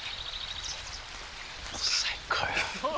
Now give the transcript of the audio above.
最高よ。